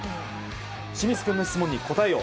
清水君の質問に答えよう。